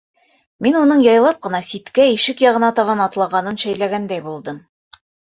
-Мин уның яйлап ҡына ситкә, ишек яғына табан атлағанын шәйләгәндәй булдым.